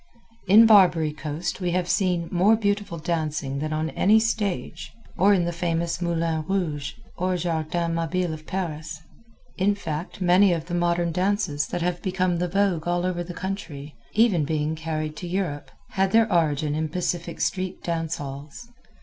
In Barbary Coast we have seen more beautiful dancing than on any stage, or in the famous Moulin Rouge, or Jardin Mabile of Paris. In fact, many of the modern dances that have become the vogue all over the country, even being carried to Europe, had their origin in Pacific street dance halls.